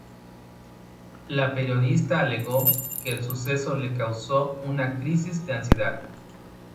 La periodista alegó que el suceso le causó una crisis de ansiedad.